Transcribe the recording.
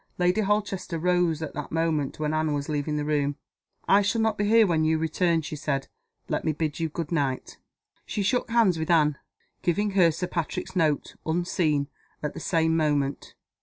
Lady Holchester rose at the moment when Anne was leaving the room. "I shall not be here when you return," she said. "Let me bid you good night." She shook hands with Anne giving her Sir Patrick's note, unseen, at the same moment.